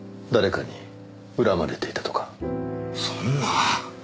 そんな！